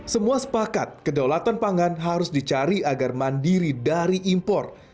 semua sepakat kedaulatan pangan harus dicari agar mandiri dari impor